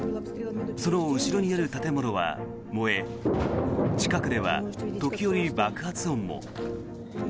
その後ろにある建物は燃え近くでは時折、爆発音も。